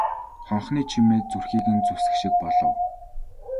Хонхны чимээ зүрхийг нь зүсэх шиг болов.